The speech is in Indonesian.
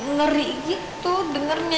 ngeri gitu dengernya